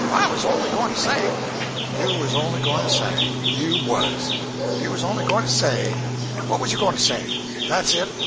"I was only goin' to say—" "You was only goin' to say. You was! You was only goin' to say—what was you goin' to say? That's it!